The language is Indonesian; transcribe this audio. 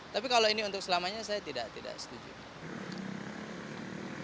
tapi kalau ini untuk selamanya saya tidak setuju